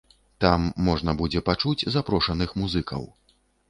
Там можна будзе пачуць запрошаных музыкаў.